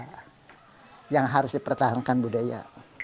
kita harus menahankan budaya